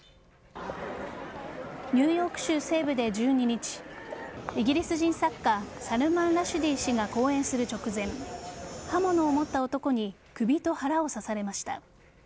ニューヨーク州西部で１２日イギリス人作家サルマン・ラシュディ氏が講演する直前刃物を持った男に首と腹を刺されました。